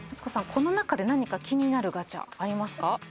この中で何か気になるガチャありますか？